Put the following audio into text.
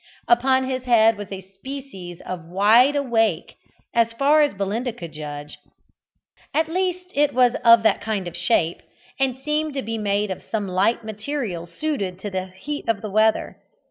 Upon his head was a species of wide awake, as far as Belinda could judge; at least it was of that kind of shape, and seemed to be made of some light material suited to the heat of the weather.